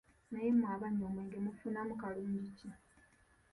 Naye mwe abanywa omwenge mugufunamu kalungi ki?